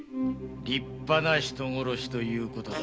立派な人殺しということだ。